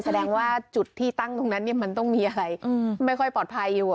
แสดงว่าจุดที่ตั้งตรงนั้นมันต้องมีอะไรไม่ค่อยปลอดภัยอยู่